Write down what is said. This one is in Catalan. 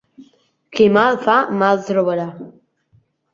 Qui mal fa mal trobarà.